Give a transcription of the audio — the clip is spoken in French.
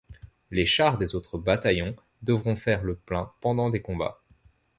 Les chars des autres bataillons devront faire le plein pendant des combats.